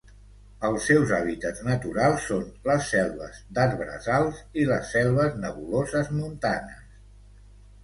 Els seus hàbitats naturals són les selves d'arbres alts i les selves nebuloses montanes.